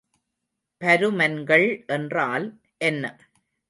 பருமன்கள் என்றால் என்ன?